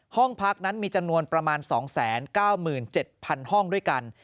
ห้องพักนั้นมีจำนวนประมาณ๒๙๗๐๐ห้องด้วยกัน